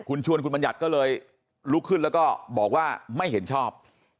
คุณชวนคุณบัญญัติก็เลยลุกขึ้นแล้วก็บอกว่าไม่เห็นชอบ